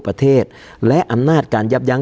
การแสดงความคิดเห็น